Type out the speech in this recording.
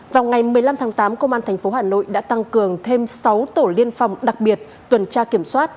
vào ngày một mươi năm tháng tám công an tp hà nội đã tăng cường thêm sáu tổ liên phòng đặc biệt tuần tra kiểm soát